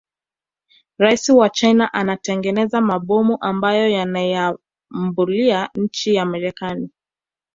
Raisi wa china anatengeneza mabomu ambayo yanaiahambulia nchi ya marekani